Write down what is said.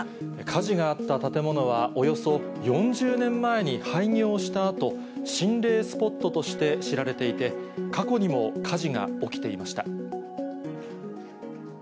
火事があった建物は、およそ４０年前に廃業したあと、心霊スポットとして知られていて、過去にも火事が起きていました。